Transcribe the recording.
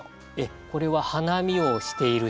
これは花見をしている人。